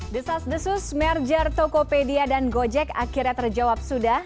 desas desus merger tokopedia dan gojek akhirnya terjawab sudah